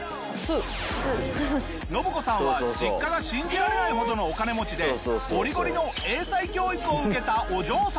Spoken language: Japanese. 信子さんは実家が信じられないほどのお金持ちでゴリゴリの英才教育を受けたお嬢様！